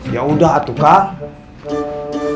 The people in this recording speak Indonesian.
yaudah atuh kak